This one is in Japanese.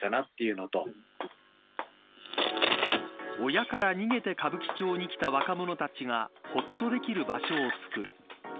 親から逃げて歌舞伎町に来た若者たちがほっとできる場所を作る。